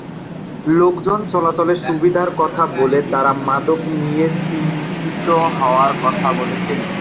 লোকজন চলাচলের সুবিধার কথা বললেও তাঁরা মাদক নিয়ে চিন্তিত হওয়ার কথা বলেছেন।